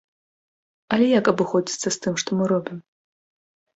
Але як абыходзяцца з тым, што мы робім?